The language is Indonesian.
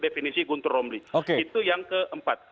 definisi guntur romli itu yang keempat